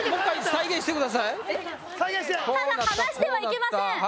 再現してただ離してはいけません